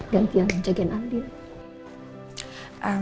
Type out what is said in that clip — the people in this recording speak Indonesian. gantiin jagain al dia